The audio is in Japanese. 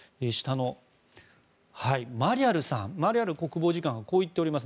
マリャル国防次官がこう言っています。